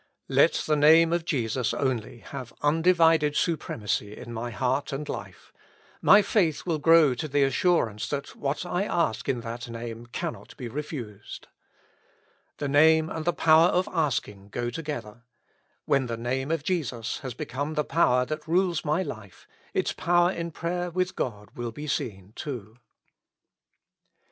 Let the Name of Jesus only have undivided supremacy in my heart and life, my faith will grow to the assurance that what I ask in that Name cannot be refused. The name and the power of asking go together ; when the Name of Jesus has become the power that rules my life, its power in prayer with God will be seen, too.